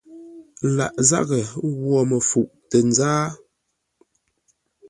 Lâʼ zághʼə ghwo məfuʼ tə nzáa.